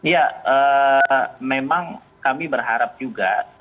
ya memang kami berharap juga